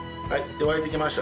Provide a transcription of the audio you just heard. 沸いてきました。